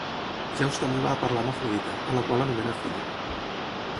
Zeus també va a parlar amb Afrodita, a la qual anomena filla.